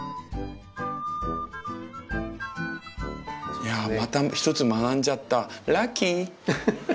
いやまた１つ学んじゃったラッキー！